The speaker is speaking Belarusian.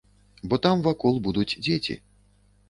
Бо там вакол будуць дзеці.